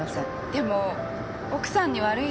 でも奥さんに悪いし。